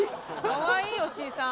かわいっ吉井さん。